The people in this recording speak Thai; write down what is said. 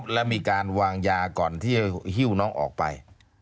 และมีการวางยาก่อนที่จะหิ้วน้องออกไป